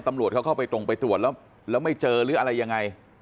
ตำรวจเขาเข้าไปตรงไปตรวจแล้วไม่เจอหรืออะไรยังไง